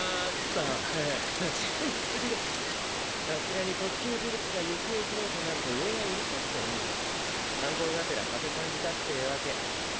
さすがに特級呪物が行方不明となると上がうるさくてねぇ観光がてらはせ参じたってわけ。